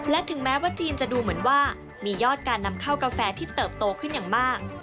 และถึงแม้ว่าจีนจะดูเหมือนว่ามียอดการนำเข้ากาแฟที่เติบโตขึ้นอย่างมาก